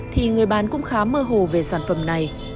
thì người bán cũng khá mơ hồ về sản phẩm này